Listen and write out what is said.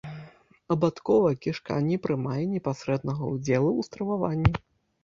Абадковая кішка не прымае непасрэднага ўдзелу ў страваванні.